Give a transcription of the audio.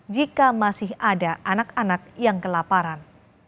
jika masih ada anak anak yang kelaparan